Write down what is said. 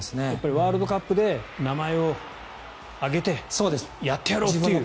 ワールドカップで名前を上げてやってやろうという。